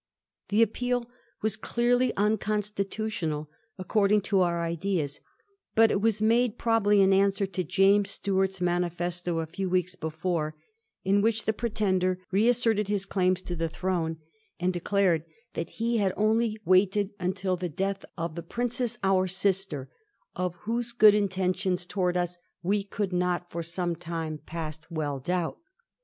The appeal was clearly unconstitutional, according to our ideas, but it was made, probably, in answer to James Stuart's manifesto a few weeks before, in which the Pretender reasserted his claims to the throne, and Digiti zed by Google 134 A HISTORY OF THE FOUR GEORGES. ch. yi. declared that he had only waited until the death ^ of the Princess, our sister, of whose good intentions towards us we could not for some time past well doubt.'